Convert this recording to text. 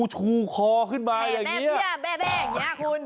คุณเจองูชูคอขึ้นมาอย่างนี้แม่เบี้ยแม่เบี้ยอย่างนี้คุณ